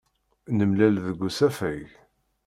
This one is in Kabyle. Nemlal deg usafag.